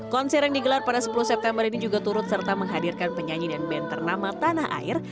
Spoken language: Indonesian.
konser yang digelar pada sepuluh september ini juga turut serta menghadirkan penyanyi dan band ternama tanah air